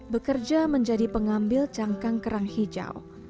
bekerja menjadi pengambil cangkang kerang hijau